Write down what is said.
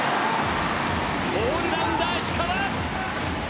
オールラウンダー、石川！